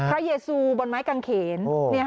เยซูบนไม้กางเขน